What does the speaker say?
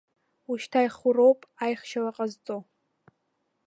Ушьҭа иху роуп аихшьала ҟазҵо.